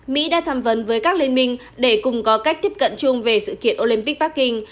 mỹ đã tham vấn với các liên minh để cùng có cách tiếp cận chung về sự kiện olympic bắc kinh